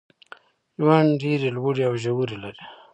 ژوند ډېري لوړي او ژوري لري.